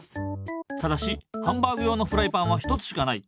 ただしハンバーグ用のフライパンは１つしかない。